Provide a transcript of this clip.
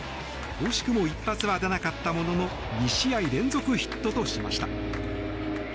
惜しくも一発は出なかったものの２試合連続ヒットとしました。